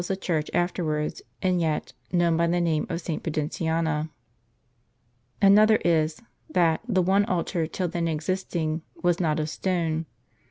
was the church afterwards, and yet, known by the name of St. Pudentiana. Another is, that the one altar till then existing Avas not of stone.